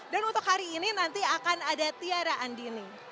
dan untuk hari ini nanti akan ada tiara andini